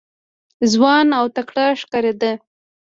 ځوان او تکړه ښکارېده.